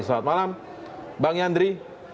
selamat malam bang yandri